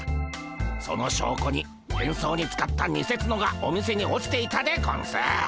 その証拠に変装に使ったにせツノがお店に落ちていたでゴンス。